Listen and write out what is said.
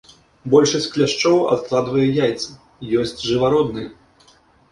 Большасць кляшчоў адкладвае яйцы, ёсць жывародныя.